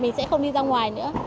mình sẽ không đi ra ngoài nữa